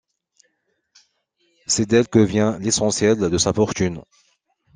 C'est d'elle que vient l'essentiel de sa fortune.